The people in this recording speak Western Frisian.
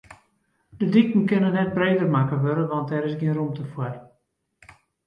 De diken kinne net breder makke wurde, want dêr is gjin rûmte foar.